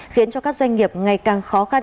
khiến cho các doanh nghiệp ngày càng khó khăn